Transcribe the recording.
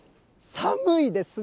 寒いですね。